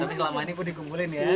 tapi selama ini gue dikumpulin ya